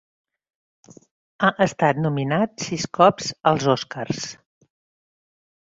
Ha estat nominat sis cops als Oscars.